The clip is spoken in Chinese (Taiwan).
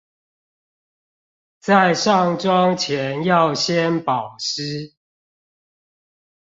在上妝前要先保濕